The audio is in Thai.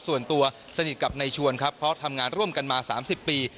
ส่วนตัวสนิทกับในชวนครับเพราะทำงานร่วมกันมา๓๐ปี